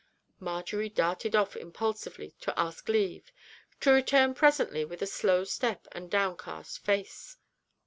Marjory darted off impulsively to ask leave, to return presently with a slow step and downcast face.